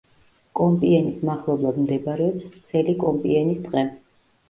კომპიენის მახლობლად მდებარეობს ვრცელი კომპიენის ტყე.